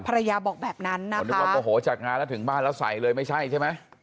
ภรรยาบอกแบบนั้นนะคะนึกว่าโมโหจัดงานแล้วถึงบ้านแล้วใส่เลยไม่ใช่ใช่ไหม